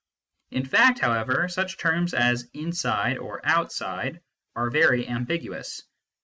In fact, however, such terms as " inside " or " outside " are very ambiguous.